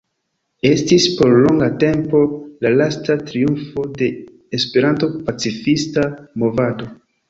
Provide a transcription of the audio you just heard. Estis por longa tempo la lasta triumfo de E-pacifista movado.